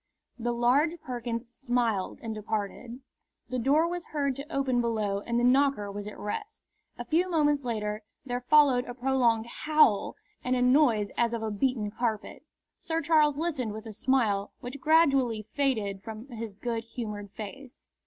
The large Perkins smiled and departed. The door was heard to open below and the knocker was at rest. A few moments later there followed a prolonged howl and a noise as of a beaten carpet. Sir Charles listened with a smile which gradually faded from his good humoured face.